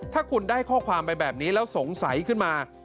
ถ้าคุณได้ข้อความไปแบบนี้แล้วสงสัยขึ้นมา